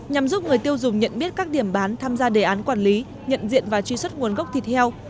nhằm giúp người tiêu dùng nhận biết các điểm bán tham gia đề án quản lý nhận diện và truy xuất nguồn gốc thịt heo